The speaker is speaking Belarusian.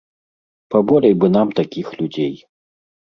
Паболей бы нам такіх людзей.